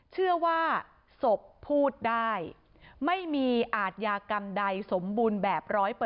เชื่อว่าศพพูดได้ไม่มีอาทยากรรมใดสมบูรณ์แบบ๑๐๐